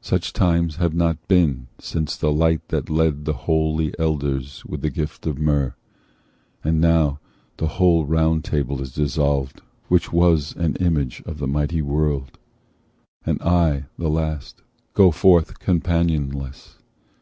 Such times have been not since the light that led The holy Elders with the gift of myrrh. But now the whole ROUND TABLE is dissolved Which was an image of the mighty world; And I, the last, go forth companionless.